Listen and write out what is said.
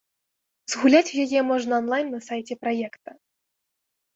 Згуляць у яе можна анлайн на сайце праекта.